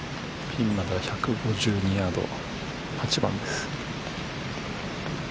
ピンまでは１５２ヤード、８番です。